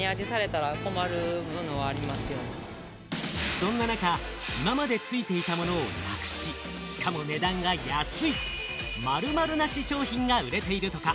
そんな中、今まで付いていたものをなくし、しかも値段が安い、「〇〇なし商品」が売れているとか。